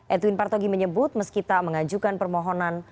edwin partogi menyebut meskita mengajukan permohonan